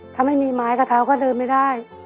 ถ้าไม่มีไม้กระเท้าก็เดินไม่ได้